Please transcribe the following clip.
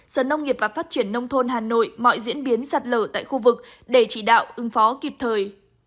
sở nông nghiệp và phát triển nông thôn hà nội mọi diễn biến sạt lở tại khu vực để chỉ đạo ứng phó kịp thời